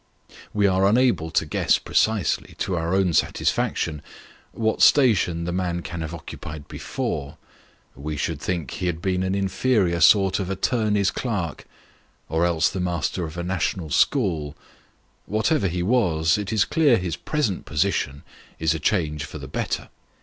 We are unable to guess precisely to our own satisfaction what station the man can have occupied before ; we should think he had been an inferior sort of attorney's clerk, or else the master of a national school whatever he was, it is clear his present position is a change for the better.